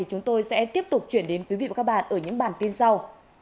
chúng tôi sẽ tiếp tục chuyển đến quý vị và các bạn ở những bản tin sau